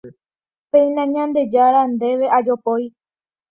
Péina Ñandejára Ndéve ajopói